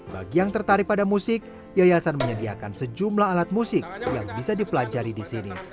bagi yang tertarik pada musik yayasan menyediakan sejumlah alat musik yang bisa dipelajari di sini